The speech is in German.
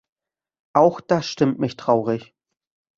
Auch das stimmt mich traurig.